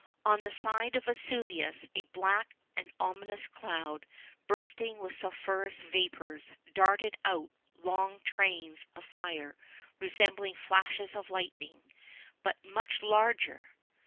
On the side of Vesuvius, a black and ominous cloud, bursting with sulphurous vapours, darted out long trains of fire, resembling flashes of lightning, but much larger.